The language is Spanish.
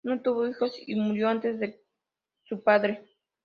No tuvo hijos, y murió antes que su padre.